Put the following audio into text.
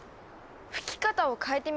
吹き方を変えてみますね。